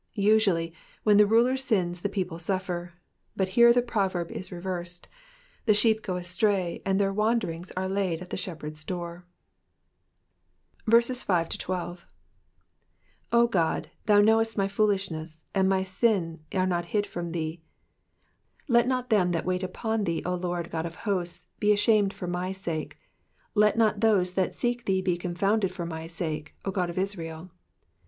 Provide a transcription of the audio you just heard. Usually, when the ruler sins the people suffer, but here the proverb is reversed — the •beep go astray, and their wanderings are laid at the Shepherd's door. 5 O God, thou knowest my foolishness ; and my sins are not hid from thee. 6 Let not them that wait on thee, O Lord GOD of hosts, be ashamed for my sake : let not those that seek thee be confounded for my sake, O God of Israel.